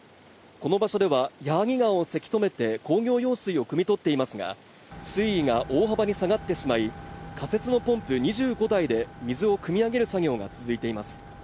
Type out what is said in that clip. この場所では矢作川をせき止めて工業用水を汲み取っていますが水位が大幅に下がってしまい仮設のポンプで２５台で水をくみ上げる作業が続いています